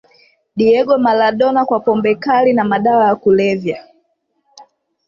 diego maradona kwa pombe kali na madawa ya kulevya